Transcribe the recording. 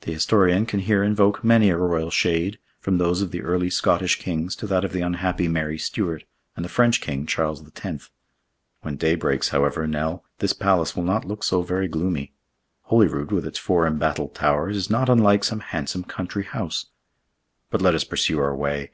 The historian can here invoke many a royal shade; from those of the early Scottish kings to that of the unhappy Mary Stuart, and the French king, Charles X. When day breaks, however, Nell, this palace will not look so very gloomy. Holyrood, with its four embattled towers, is not unlike some handsome country house. But let us pursue our way.